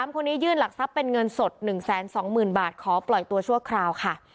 คนนี้ยื่นหลักทรัพย์เป็นเงินสดหนึ่งแสนสองหมื่นบาทขอปล่อยตัวชั่วคราวค่ะ